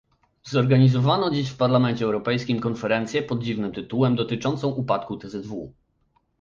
Zorganizowano dziś w Parlamencie Europejskim konferencję pod dziwnym tytułem, dotyczącą upadku tzw